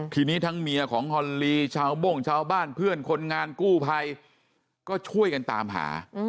ทีนี้ทั้งเมียของฮอนลีชาวโม่งชาวบ้านเพื่อนคนงานกู้ภัยก็ช่วยกันตามหา